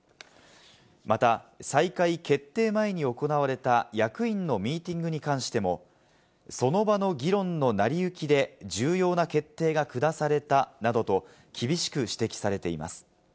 また、再開決定前に行われた役員のミーティングに関しても、その場の議論の成り行きで重要な決定が下されたなどと、厳しく指摘されています。